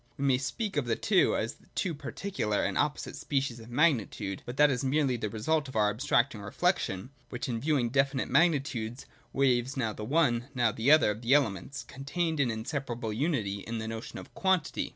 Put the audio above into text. We may speak of the two as two particular and opposite species of magnitude; but that is merely the result of our abstracting reflection, which in viewing definite magni tudes waives now the one, now the other, of the elements contained in inseparable unity in the notion of quantity.